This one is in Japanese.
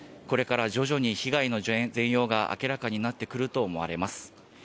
これから徐々に被害の全容が明らかになってくると思われます。